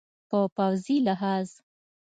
په پوځي لحاظ